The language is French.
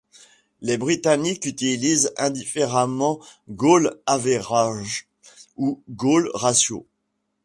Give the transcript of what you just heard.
Les britanniques utilisent indifféremment goal average ou goal ratio.